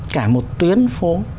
cả một tuyến phố